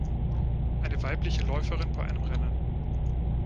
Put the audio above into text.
Eine weibliche Läuferin bei einem Rennen